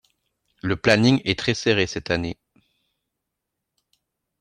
Le planning est très serré cette année.